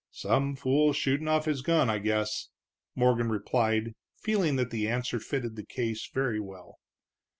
"Some fool shootin' off his gun, I guess," Morgan replied, feeling that the answer fitted the case very well.